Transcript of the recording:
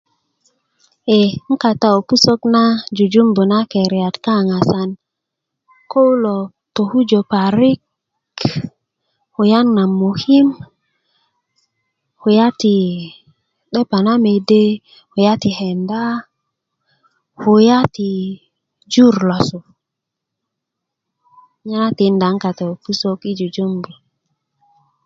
ee 'nkata ko pusök na jujumbu na keriyart kaaŋ asan ko kulo tokujö parik kuya na mokim kuya ti 'depa na mede kuya ti kenda kuya ti jur losu nye na tikinda 'ngboŋ ko pusök yi jujumbu